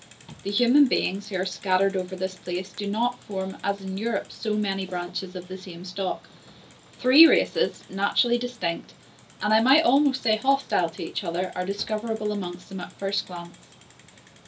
The human beings who are scattered over this space do not form, as in Europe, so many branches of the same stock. Three races, naturally distinct, and, I might almost say, hostile to each other, are discoverable amongst them at the first glance.